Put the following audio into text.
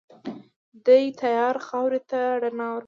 دې تیاره خاورې ته رڼا ورکړه.